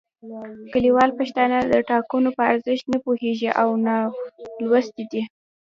کلیوال پښتانه د ټاکنو په ارزښت نه پوهیږي او نالوستي دي